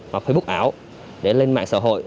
hoặc facebook ảo để lên mạng xã hội